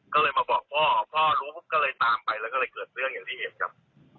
ก็เลยมาบอกพ่อพ่อรู้ปุ๊บก็เลยตามไปแล้วก็เลยเกิดเรื่องอย่างที่เห็นครับ